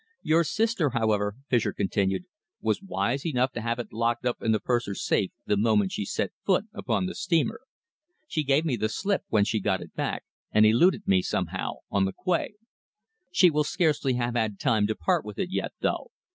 "Your sister, however," Fischer continued, "was wise enough to have it locked up in the purser's safe the moment she set foot upon the steamer. She gave me the slip when she got it back, and eluded me, somehow, on the quay. She will scarcely have had time to part with it yet, though.